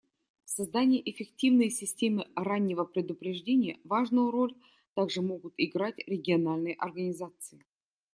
В создании эффективной системы раннего предупреждения важную роль также могут играть региональные организации.